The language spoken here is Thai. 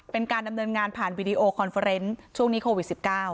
เป็นการดำเนินงานผ่านวีดีโอคอนเฟอร์เนส์ช่วงนี้โควิด๑๙